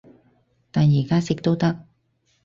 但而家食都得